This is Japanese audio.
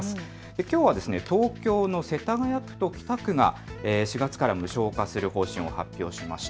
きょうは東京の世田谷区と北区が４月から無償化する方針を発表しました。